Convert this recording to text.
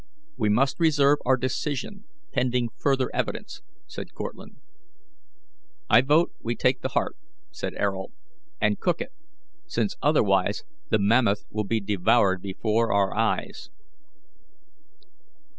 "We must reserve our decision pending further evidence," said Cortlandt. "I vote we take the heart," said Ayrault, "and cook it, since otherwise the mammoth will be devoured before our eyes."